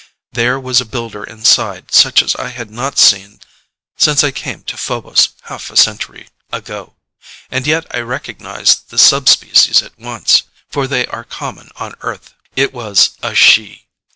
There was a Builder inside such as I had not seen since I came to Phobos half a century ago, and yet I recognized the subspecies at once, for they are common on Earth. It was a she.